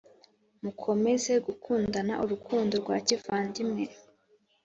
Mukomeze gukundana urukundo rwa kivandimwe